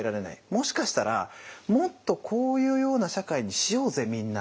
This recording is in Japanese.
もしかしたら「もっとこういうような社会にしようぜみんな！」